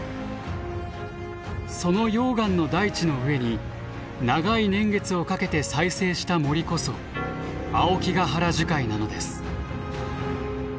その溶岩の大地の上に長い年月をかけて再生した森こそ青木ヶ原樹海なのです。